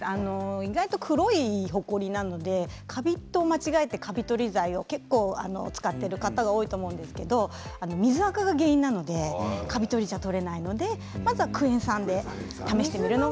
意外と、黒いほこりなのでカビと間違えてカビ取り剤を結構使っている方、多いと思うんですけれど水あかが原因なので、カビ取りでは取れないので、まずはクエン酸で試してみるのが。